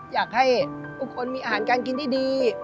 อยากให้ทุกคนมีอาหารการกินที่ดี